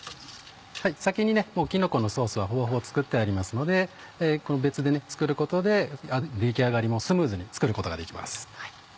先にきのこのソースはほぼほぼ作ってありますので別で作ることで出来上がりもスムーズに作ることができます。